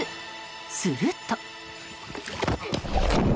すると。